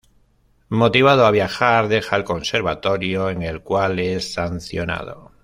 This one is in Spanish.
Motivado a viajar, deja el conservatorio, en el cual es sancionado.